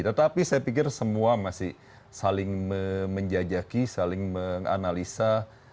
tetapi saya pikir semua masih saling menjajaki saling menganalisa